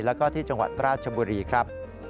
แล้วก็ที่จังหวัดราชบุรีครับ